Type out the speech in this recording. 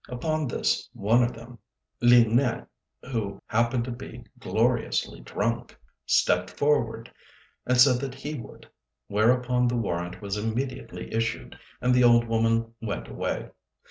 Upon this one of them, Li Nêng, who happened to be gloriously drunk, stepped forward and said that he would; whereupon the warrant was immediately issued and the old woman went away.